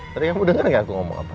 tadi kamu denger nggak aku ngomong apa